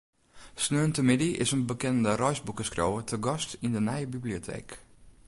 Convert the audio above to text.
Sneontemiddei is in bekende reisboekeskriuwer te gast yn de nije biblioteek.